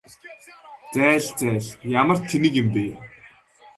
зайл зайл ямар тэнэг юм бэ?